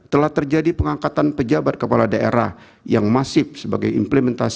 telah terjadi pengangkatan pejabat kepala daerah yang masif sebagai implementasi